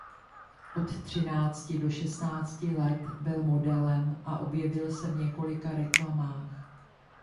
Od třinácti do šestnácti let byl modelem a objevil se v několika reklamách.